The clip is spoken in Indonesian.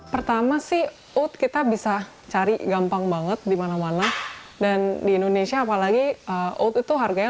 pertama sih kita bisa cari gampang banget di mana mana dan di indonesia apalagi itu harganya